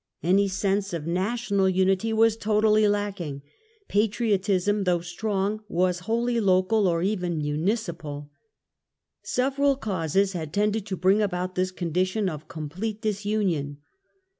Any sense of national unity was totally lacking ; patriotism, though strong, was wholly local or even municipal. Several causes had tended to bring about this condition of complete disunion.